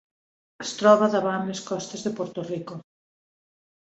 Es troba davant les costes de Puerto Rico.